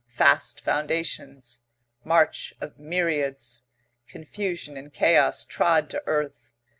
Fast foundations. March of myriads. Confusion and chaos trod to earth.